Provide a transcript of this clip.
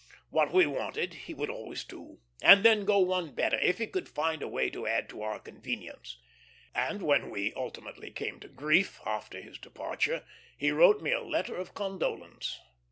What we wanted he would always do, and then go one better, if he could find a way to add to our convenience; and when we ultimately came to grief, after his departure, he wrote me a letter of condolence.